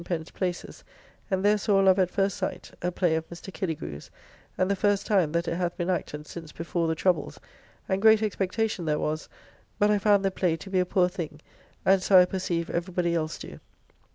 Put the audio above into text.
places, and there saw "Love at first sight," a play of Mr. Killigrew's, and the first time that it hath been acted since before the troubles, and great expectation there was, but I found the play to be a poor thing, and so I perceive every body else do.